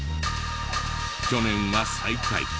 去年は最下位。